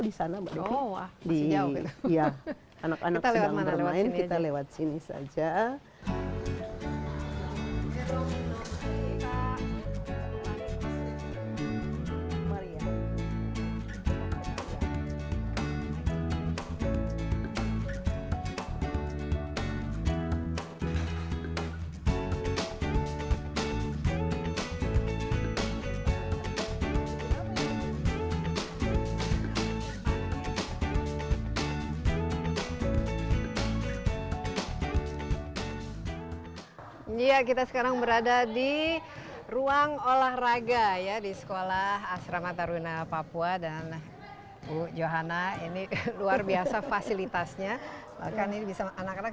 dibuat supaya betah